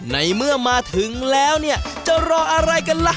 ในเมื่อมาถึงแล้วเนี่ยจะรออะไรกันล่ะ